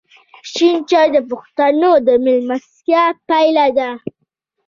شین چای د پښتنو د میلمستیا پیل دی.